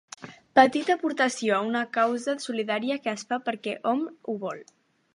Petita aportació a una causa solidària que es fa perquè hom ho vol.